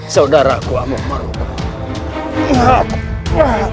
saudaraku amuk marugul